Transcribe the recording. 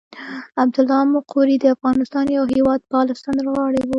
عبدالله مقری د افغانستان یو هېواد پاله سندرغاړی وو.